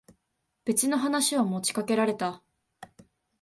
別の話を持ちかけられた。